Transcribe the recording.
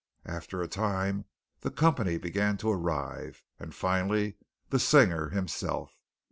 After a time the company began to arrive, and finally the singer himself.